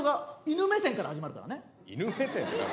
犬目線から始まんだから。